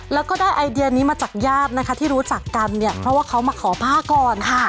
แล้วก็ได้ไอเดียนี้มาจากญาตินะคะที่รู้จักกันเนี่ยเพราะว่าเขามาขอผ้าก่อนค่ะ